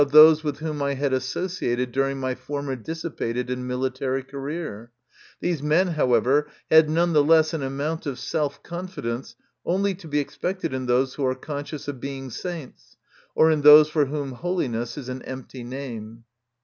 those with whom I had associated during my former dissipated and military career ; these men, however, had none the less an amount of self confidence only to be expected in those who are conscious of being saints, or in those for whom holiness is an empty name.